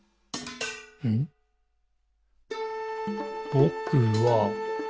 「ぼくは、」